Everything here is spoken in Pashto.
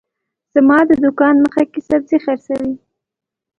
زما د دوکان مخه کي سبزي حرڅوي